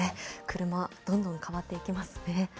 車、どんどん変わっていきますね。